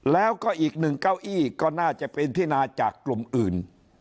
แล้วก็อีกหนึ่งเก้าอี้ก็น่าจะเป็นที่นาจากกลุ่มอื่น